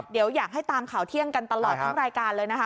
เดี๋ยวอยากให้ตามข่าวเที่ยงกันตลอดทั้งรายการเลยนะคะ